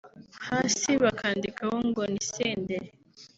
hasi bakandikaho ngo ni Senderi